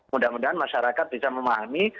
mudah mudahan masyarakat bisa memahami